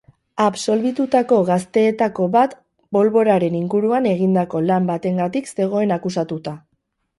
Absolbitutako gazteetako bat bolboraren inguruan egindako lan batengatik zegoen akusatuta.